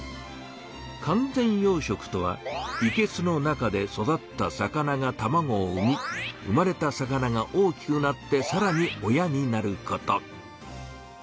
「完全養しょく」とはいけすの中で育った魚がたまごを産み生まれた魚が大きくなってさらに親になること。